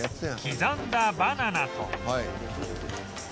刻んだバナナと混ぜる